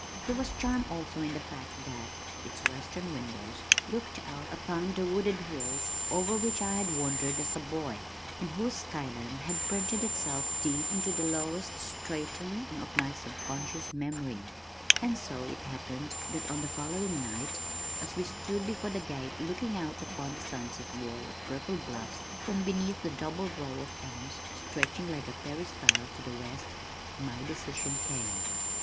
There was charm also in the fact that its western windows looked out upon the wooded hills over which I had wandered as a boy, and whose sky line had printed itself deep into the lowest stratum of my subconscious memory; and so it happened that on the following night, as we stood before the gate looking out upon that sunset wall of purple bluffs from beneath the double row of elms stretching like a peristyle to the west, my decision came.